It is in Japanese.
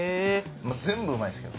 全部うまいんですけど。